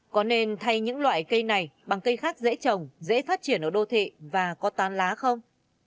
có nên thay những loại cây này bằng cây khác dễ trồng dễ phát triển ở đô thị và có tán lá không